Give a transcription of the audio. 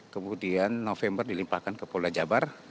kemudian november dilimpahkan ke polda jabar